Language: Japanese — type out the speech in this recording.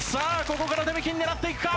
ここから出目金狙っていくか。